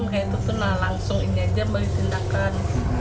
makanya langsung ini saja beri tindakan